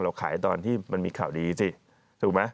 ขายตอนที่มันมีข่าวดีสิถูกไหม